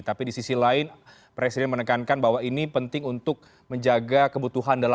tapi di sisi lain presiden menekankan bahwa ini penting untuk menjaga kebutuhan dalam